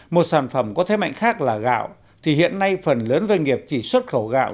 một sản phẩm có thế mạnh khác là gạo thì hiện nay phần lớn doanh nghiệp chỉ xuất khẩu gạo